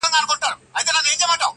هم یې زامه هم یې پزه ماتومه-